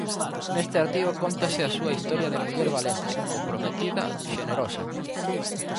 Neste artigo cóntase a súa historia de muller valente, comprometida, xenerosa.